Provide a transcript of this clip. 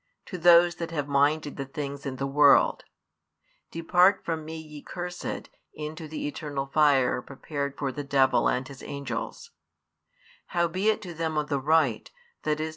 to those that have minded the things in the world: Depart from Me ye cursed, into the eternal fire prepared for the devil and his angels; howbeit to them on the right, i.e.